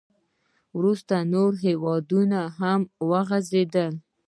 • وروسته نورو هېوادونو ته هم وغځېد.